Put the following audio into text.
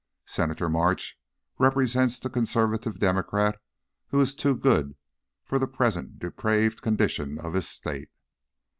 Senator March represents the conservative Democrat who is too good for the present depraved condition of his State.